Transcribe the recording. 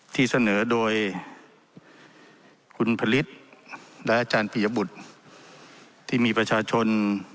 ที่เสนอโดยคุณผลิตและอาจารย์ปียบุตรที่มีประชาชน